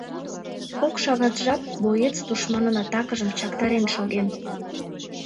Кок шагат жап боец тушманын атакыжым чактарен шоген.